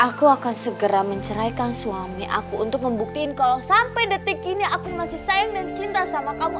aku akan segera menceraikan suami aku untuk membuktiin kalau sampai detik ini aku masih sayang dan cinta sama kamu